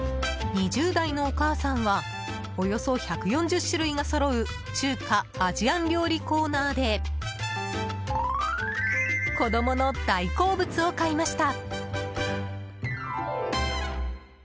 ２０代のお母さんはおよそ１４０種類がそろう中華・アジアン料理コーナーで子供の大好物を買いました。